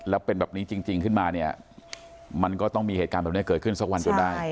แล้วเป็นแบบนี้จริงขึ้นมาเนี่ยมันก็ต้องมีเหตุการณ์แบบนี้เกิดขึ้นสักวันจนได้